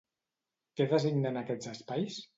Què designen aquests espais?